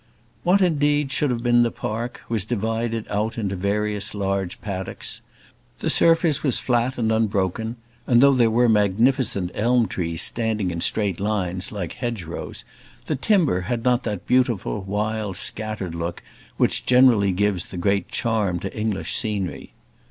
What, indeed, should have been the park was divided out into various large paddocks. The surface was flat and unbroken; and though there were magnificent elm trees standing in straight lines, like hedgerows, the timber had not that beautiful, wild, scattered look which generally gives the great charm to English scenery.